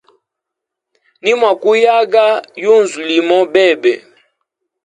Nimwa kuyaga yunzu limo bebe.